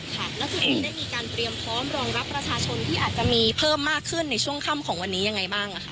แล้วตัวเองได้มีการเตรียมพร้อมรองรับประชาชนที่อาจจะมีเพิ่มมากขึ้นในช่วงค่ำของวันนี้ยังไงบ้าง